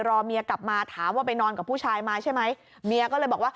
รอเมียกลับมาถามว่าไปนอนกับผู้ชายมาใช่ไหมเมียก็เลยบอกว่า